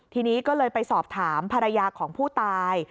ทีนี้ก็เลยไปสอบถามภรรยาของผู้ตาย